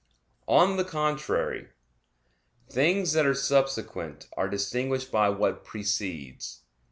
On the contrary, Things that are subsequent are distinguished by what precedes.